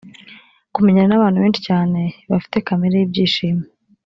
kumenyana n’abantu benshi cyane bafite kamere y’ibyishimo